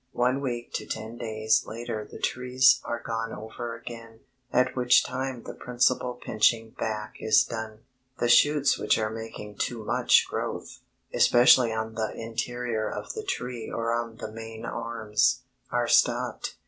One week to ten days later the trees are gone over again, at which time the principal pinching back is done. The shoots which are making too much growth, especially on the interior of the tree or on the main arms, are stopped.